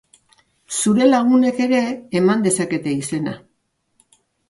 Zure lagunek ere eman dezakete izena.